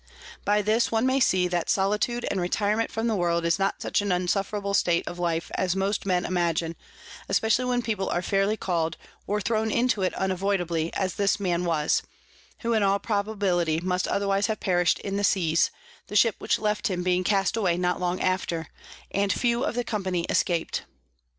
By this one may see that Solitude and Retirement from the World is not such an unsufferable State of Life as most Men imagine, especially when People are fairly call'd or thrown into it unavoidably, as this Man was; who in all probability must otherwise have perish'd in the Seas, the Ship which left him being cast away not long after, and few of the Company escap'd.